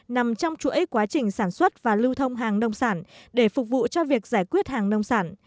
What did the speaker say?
nằm trong chuỗi quá trình sản xuất và lưu thông hàng nông sản để phục vụ cho việc giải quyết hàng nông sản